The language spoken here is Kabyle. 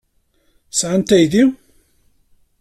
Sɛant aydi?